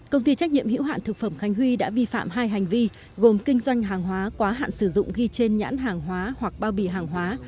công ty trách nhiệm hữu hạn thực phẩm khánh huy đã vi phạm hai hành vi gồm kinh doanh hàng hóa quá hạn sử dụng ghi trên nhãn hàng hóa hoặc bao bì hàng hóa